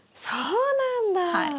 そうなんだ。